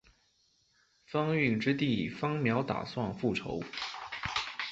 番歆之弟番苗打算复仇。